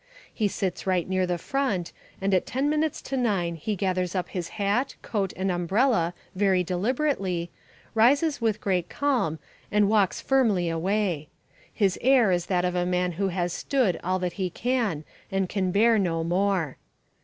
He sits right near the front, and at ten minutes to nine he gathers up his hat, coat, and umbrella very deliberately, rises with great calm, and walks firmly away. His air is that of a man who has stood all that he can and can bear no more.